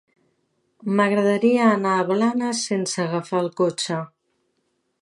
M'agradaria anar a Blanes sense agafar el cotxe.